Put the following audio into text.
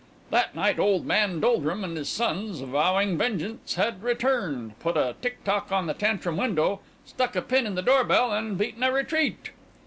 That night old man Doldrum and his sons, vowing vengeance, had returned, put a ticktock on the Tantrum window, stuck a pin in the doorbell, and beaten a retreat.